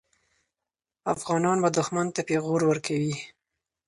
افغانان به دښمن ته پېغور ورکوي.